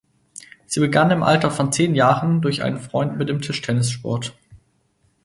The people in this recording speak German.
Sie begann im Alter von zehn Jahren durch einen Freund mit dem Tischtennissport.